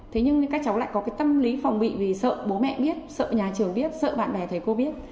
thế nhưng các cháu lại có cái tâm lý phòng bị vì sợ bố mẹ biết sợ nhà trường biết sợ bạn bè thầy cô biết